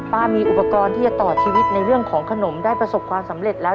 มีอุปกรณ์ที่จะต่อชีวิตในเรื่องของขนมได้ประสบความสำเร็จแล้ว